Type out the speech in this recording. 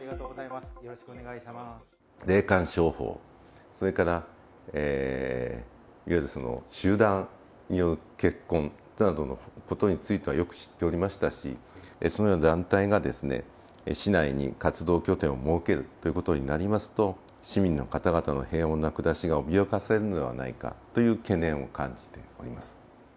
霊感商法、それからいわゆる集団による結婚のことについてはよく知っておりましたし、そのような団体がですね、市内に活動拠点を設けるっていうことになりますと、市民の方々の平穏な暮らしが脅かされるのではないかという懸念を感じております。